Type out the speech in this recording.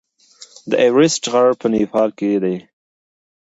د ایورسټ غر په نیپال کې دی.